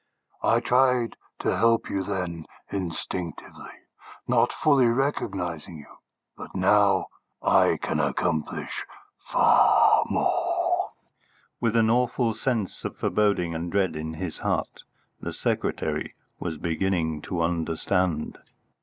"I tried to help you then instinctively, not fully recognising you. But now I can accomplish far more." With an awful sense of foreboding and dread in his heart, the secretary was beginning to understand.